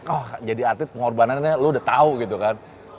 oh jadi atlet pengorbanannya lo udah tau gitu kan